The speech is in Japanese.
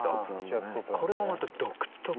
これもまた独特の。